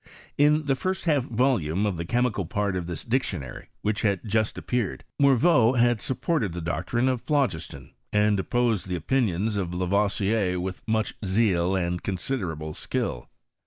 In the firrt hulf volume of the chemical part of this dictionary, which had just appeared, Morveau had supported the docti'ine of phlogiston, and opposed the opinion* of Lavoisier with much zeal nud considerable skill: PROGRBSft OF CHEMISTRY IN FRAVCE.